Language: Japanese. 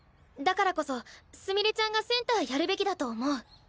だからこそすみれちゃんがセンターやるべきだと思う。